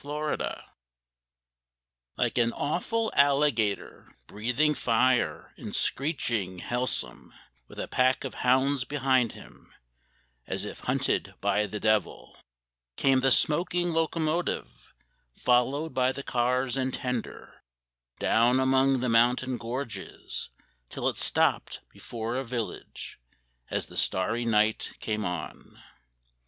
IN NEVADA Like an awful alligator Breathing fire and screeching hell some, With a pack of hounds behind him, As if hunted by the devil, Came the smoking locomotive, Followed by the cars and tender, Down among the mountain gorges, Till it stopped before a village As the starry night came on.